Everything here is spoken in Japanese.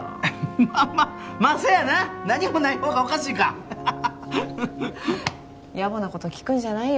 まあまあまあそやな何もないほうがおかしいかあははやぼなこと聞くんじゃないよ